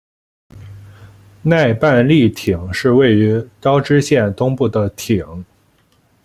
奈半利町是位于高知县东部的町。